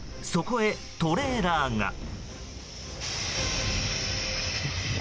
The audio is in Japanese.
そこへトレーラーが。